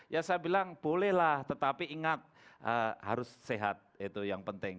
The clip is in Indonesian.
ya saya bilang bolehlah tetapi ingat harus sehat itu yang penting